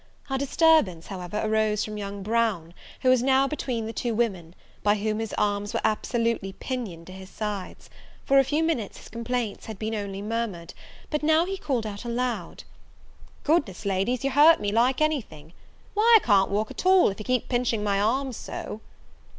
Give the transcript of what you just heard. Our disturbance, however, arose from young Brown, who was now between the two women, by whom his arms were absolutely pinioned to his sides: for a few minutes his complaints had been only murmured: but he now called out aloud, "Goodness, Ladies, you hurt me like any thing! why, I can't walk at all, if you keep pinching my arms so!"